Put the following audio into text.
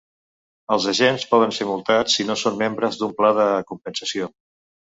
Els agents poden ser multats si no són membres d'un pla de compensació.